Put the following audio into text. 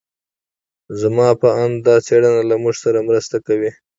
زما په اند دا څېړنه له موږ سره مرسته کوي.